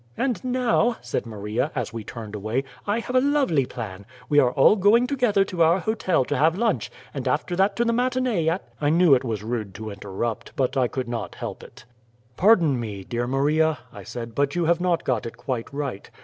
"And now," said Maria, as we turned away, "I have a lovely plan. We are all going together to our hotel to have lunch, and after that to the matinee at " I knew it was rude to interrupt, but I could not help it. "Pardon me, dear Maria," I said, "but you have not got it quite right.